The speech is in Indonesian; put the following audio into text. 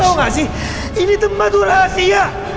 tau gak sih ini tempat rahasia